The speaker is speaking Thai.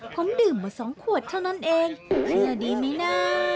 ผมดื่มมา๒ขวดเท่านั้นเองเชื่อดีไหมนะ